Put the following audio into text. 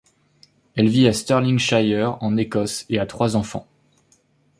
Elle vit à Stirlingshire en Écosse et a trois enfants.